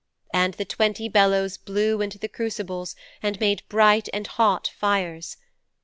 And the twenty bellows blew into the crucibles and made bright and hot fires.